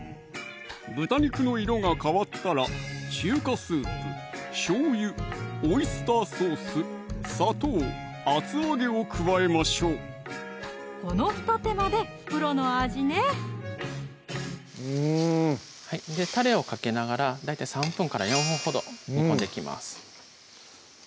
豚肉の色が変わったら中華スープ・しょうゆ・オイスターソース・砂糖・厚揚げを加えましょうこのひと手間でプロの味ねうんタレをかけながら大体３分４分ほど煮込んでいきます